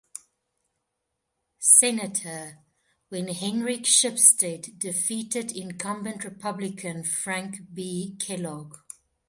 Senator, when Henrik Shipstead defeated incumbent Republican Frank B. Kellogg.